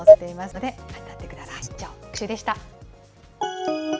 以上、特集でした。